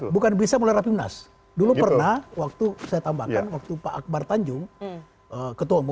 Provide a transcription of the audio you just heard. bukan bisa mulai rapimnas dulu pernah waktu saya tambahkan waktu pak akbar tanjung ketua umum